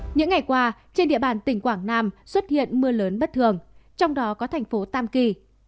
những ngày qua trên địa bàn tỉnh quảng nam xuất hiện mưa lớn bất thường trong đó có thành phố tam kỳ